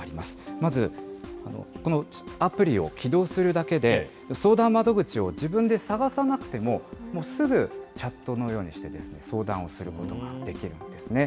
まずこのアプリを起動するだけで、相談窓口を自分で探さなくても、もうすぐチャットのようにして相談をすることができるんですね。